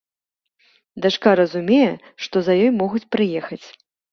Дачка разумее, што за ёй могуць прыехаць.